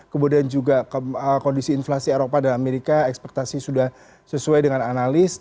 kemudian juga kondisi inflasi eropa dan amerika ekspektasi sudah sesuai dengan analis